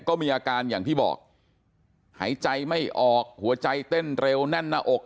ก็มีอาการอย่างที่บอกหายใจไม่ออกหัวใจเต้นเร็วแน่นหน้าอก